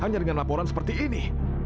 hanya dengan laporan seperti ini